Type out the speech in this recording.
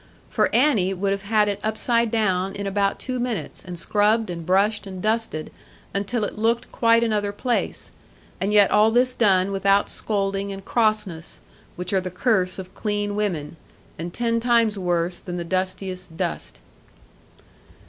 For Annie would have had it upside down in about two minutes, and scrubbed, and brushed, and dusted, until it looked quite another place; and yet all this done without scolding and crossness; which are the curse of clean women, and ten times worse than the dustiest dust.